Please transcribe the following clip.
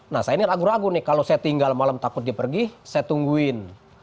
nah saya ini ragu ragu nih kalau saya tinggal malam takut dia pergi saya tungguin